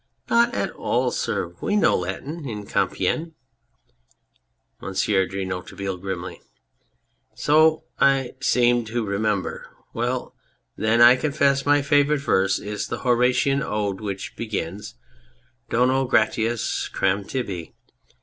Not at all, sir ! We know Latin in Compiegne ! MONSIEUR DE NOIRETABLE (grimly}. So I seemed to remember. Well, then, I confess my favourite verse is the Horatian Ode which begins Donee gratus eram tibi